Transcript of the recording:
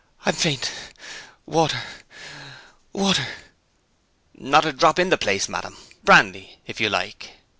"I'm faint water! water!" "Not a drop in the place, ma'am! Brandy, if you like?"